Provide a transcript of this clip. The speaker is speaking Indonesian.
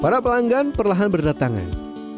para pelanggan perlahan berdatangan